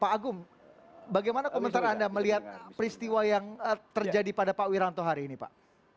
pak agung bagaimana komentar anda melihat peristiwa yang terjadi pada pak wiranto hari ini pak